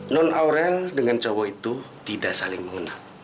non aurel dengan cowok itu tidak saling mengenal